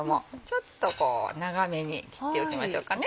ちょっとこう長めに切っておきましょうかね。